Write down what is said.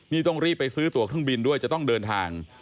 นี่ต้องรีบไปซื้อตัวเครื่องบินด้วยจะต้องเดินทาง